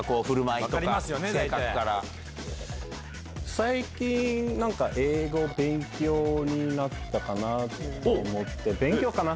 最近何か英語勉強になったかなと思って。